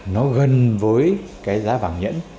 nó gần với cái giá vàng nhẫn